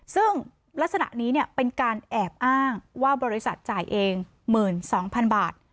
ซึ่งลักษณะนี้เป็นการแอบอ้างว่าบริษัทจ่ายเอง๑๒๐๐๐บาท